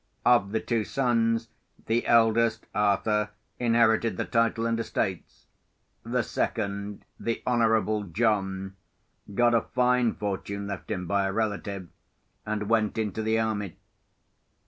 Of the two sons, the eldest, Arthur, inherited the title and estates. The second, the Honourable John, got a fine fortune left him by a relative, and went into the army.